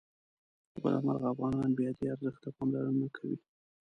له بده مرغه افغانان بیا دې ارزښت ته پاملرنه نه کوي.